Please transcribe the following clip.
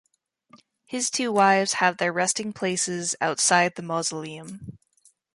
His two wives have their resting places outside the mausoleum.